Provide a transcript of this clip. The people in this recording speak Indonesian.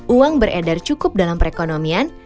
uang beredar cukup dalam perekonomian